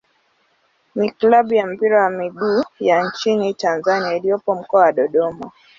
ni klabu ya mpira wa miguu ya nchini Tanzania iliyopo Mkoa wa Dodoma.